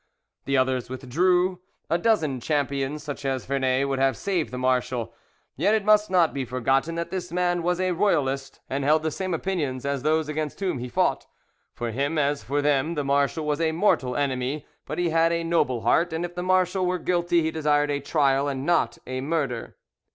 The others withdrew. A dozen champions such as Vernet would have saved the marshal. Yet it must not be forgotten that this man was a Royalist, and held the same opinions as those against whom he fought; for him as for them the marshal was a mortal enemy, but he had a noble heart, and if the marshal were guilty he desired a trial and not a murder.